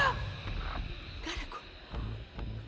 nggak ada gunanya